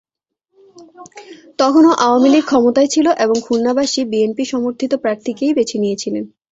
তখনো আওয়ামী লীগ ক্ষমতায় ছিল এবং খুলনাবাসী বিএনপি সমর্থিত প্রার্থীকেই বেছে নিয়েছিলেন।